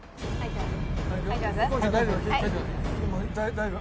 大丈夫。